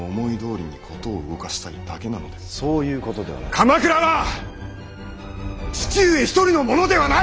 鎌倉は父上一人のものではない！